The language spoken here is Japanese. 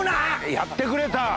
やってくれた。